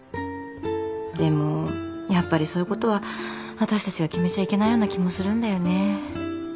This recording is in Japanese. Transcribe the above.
でもやっぱりそういうことはわたしたちが決めちゃいけないような気もするんだよね。